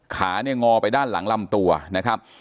ขาหงอกไปด้านหลังลำตัวนะครับ